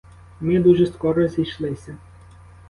Ми дуже скоро зійшлися.